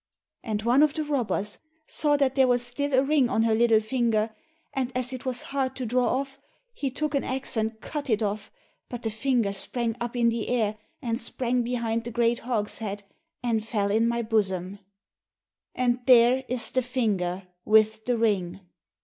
And one of the robbers saw that there was still a ring on her little finger, and as it was hard to draw off, he took an axe and cut it off, but the finger sprang up in the air, and sprang behind the great hogshead, and fell in my bosom. And there is the finger with the ring!"